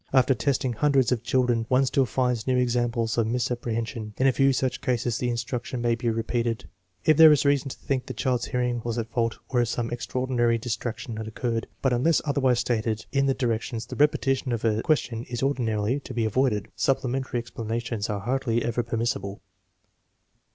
After testing hundreds of children one still finds new ex amples of misapprehension. In a few such cases the in struction may be repeated, if there is reason to think the child's hearing was at fault or if some extraordinary dis traction has occurred. But unless otherwise stated in the directions, the repetition of a question is ordinarily to be avoided. Supplementary explanations are hardly ever permissible.